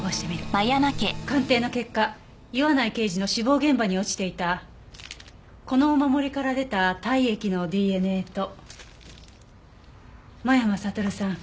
鑑定の結果岩内刑事の死亡現場に落ちていたこのお守りから出た体液のＤＮＡと間山悟さん